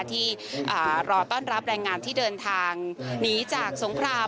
ที่รอต้อนรับแรงงานที่เดินทางหนีจากสงคราม